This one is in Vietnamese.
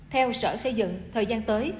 theo sở xây dựng thời gian tới